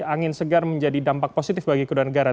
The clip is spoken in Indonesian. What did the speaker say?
angin segar menjadi dampak positif bagi kedua negara